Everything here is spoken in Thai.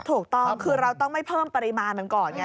ถูกต้องคือเราต้องไม่เพิ่มปริมาณมันก่อนไง